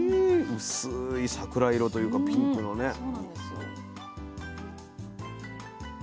薄い桜色というかピンクのね。